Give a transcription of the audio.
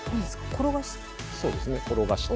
転がして。